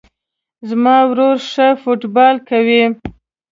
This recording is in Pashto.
زما ورور ښه فوټبال کوی